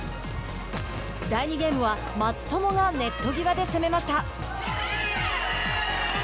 第２ゲームは松友がネット際で攻めました。